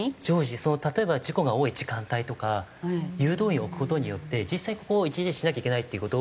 例えば事故が多い時間帯とか誘導員を置く事によって実際ここを一時停止しなきゃいけないって事を。